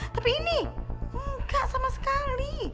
tapi ini enggak sama sekali